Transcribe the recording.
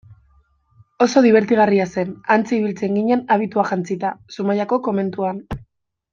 Oso dibertigarria zen, hantxe ibiltzen ginen abitua jantzita Zumaiako komentuan.